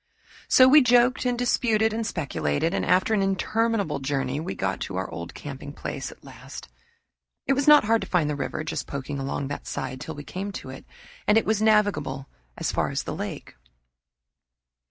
So we joked and disputed and speculated, and after an interminable journey, we got to our old camping place at last. It was not hard to find the river, just poking along that side till we came to it, and it was navigable as far as the lake.